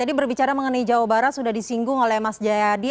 tadi berbicara mengenai jawa barat sudah disinggung oleh mas jayadi